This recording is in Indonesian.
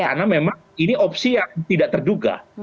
karena memang ini opsi yang tidak terduga